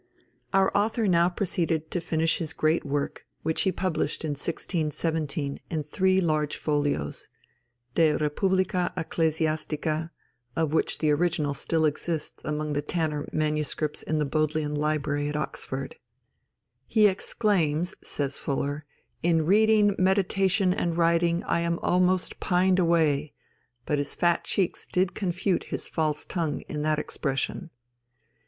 Our author now proceeded to finish his great work, which he published in 1617 in three large folios De Republicâ Ecclesiasticâ, of which the original still exists among the Tanner MSS. in the Bodleian Library at Oxford. "He exclaims," says Fuller, "'in reading, meditation, and writing, I am almost pined away,' but his fat cheeks did confute his false tongue in that expression."